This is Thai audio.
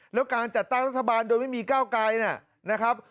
แล้วการจัดตั้งรัฐบาลโดยไม่มีก้าวไกลนะครับ